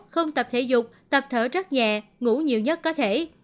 không tập thể dục tập thở rất nhẹ ngủ nhiều nhất có thể